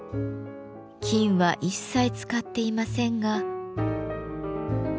金は一切使っていませんが。